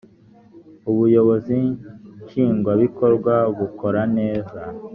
ubuyobozi nshingwabikorwa bukora neza